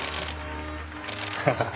ハハハハ。